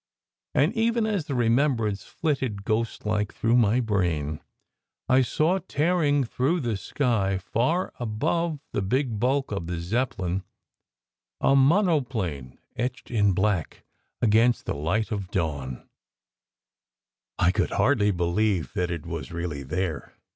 And even as the remembrance flitted ghost like through my brain, I saw tearing through the sky, far above the big bulk of the Zeppelin, a monoplane etched in black against the light of dawn. 218 SECRET HISTORY I could hardly believe that it was really there.